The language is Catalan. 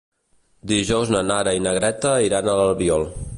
Dijous na Nara i na Greta iran a l'Albiol.